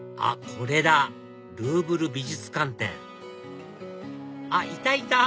これだ「ルーヴル美術館展」あっいたいた！